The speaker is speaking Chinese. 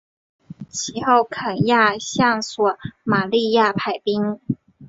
其后肯亚向索马利亚派兵。